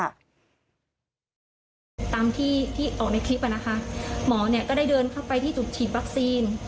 ตามที่ที่ออกในคลิปอ่ะนะคะหมอเนี่ยก็ได้เดินเข้าไปที่จุดฉีดวัคซีน